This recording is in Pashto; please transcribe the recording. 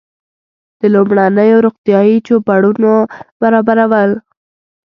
د لومړنیو روغتیایي چوپړونو برابرول.